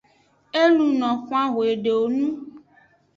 E luno xwan xwedowonu.